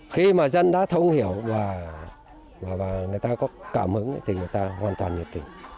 khi mà dân đã thông hiểu và người ta có cảm hứng thì người ta hoàn toàn nhiệt tình